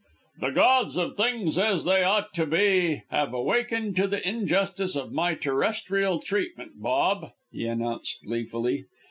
"The gods of things as they ought to be have awakened to the injustice of my terrestrial treatment, Bob," he announced gleefully.